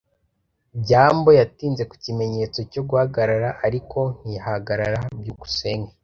byambo yatinze ku kimenyetso cyo guhagarara, ariko ntiyahagarara. byukusenge